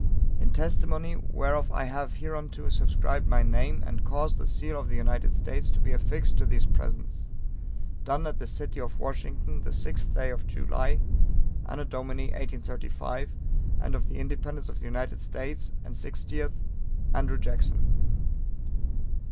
In testimony whereof I have hereunto subscribed my name, and caused the seal of the United States to be affixed to these presents. Done at the City of Washington the sixth day of July, AD. 1835, and of the independence of the United States and sixtieth. Andrew Jackson.